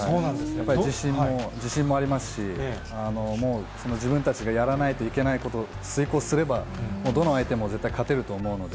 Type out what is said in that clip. やっぱり自信もありますし、もう自分たちがやらないといけないこと、遂行すれば、もうどの相手も絶対勝てると思うので。